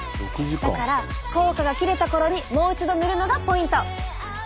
だから効果が切れた頃にもう一度塗るのがポイント！